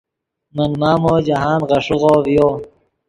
من مامو جاہند غیݰیغو ڤیو